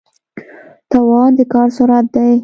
توان د کار سرعت دی.